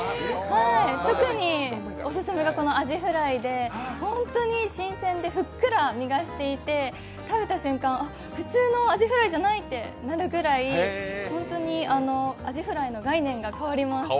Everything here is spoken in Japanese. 特におすすめがあじフライで、本当に新鮮でふっくら身がしていて、食べた瞬間、普通のあじフライじゃないってなるぐらい、ホントにあじフライの概念が変わります。